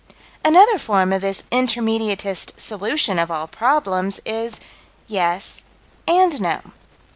Another form of this intermediatist "solution" of all problems is: Yes and no.